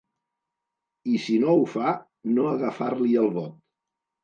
I si no ho fa, no agafar-li el vot.